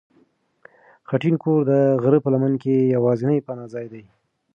خټین کور د غره په لمن کې یوازینی پناه ځای دی.